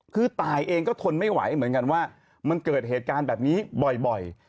คือตายเองก็ทนไม่ไหวเหมือนกันว่ามันเกิดเหตุการณ์แบบนี้บ่อย